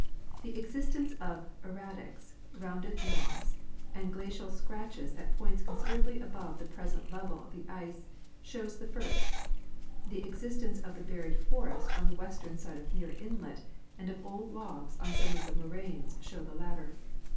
The existence of erratics, rounded knobs, and glacial scratches at points considerably above the present level of the ice shows the first ; the existence of the buried forest on the western side of Muir inlet and of old logs on some of the moraines shoAV the latter.